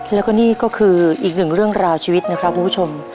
แล้วก็นี่ก็คืออีกหนึ่งเรื่องราวชีวิตนะครับคุณผู้ชม